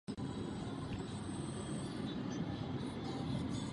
Při studiu pracoval jako redaktor "Národních novin" a současně i Slovenského rozhlasu.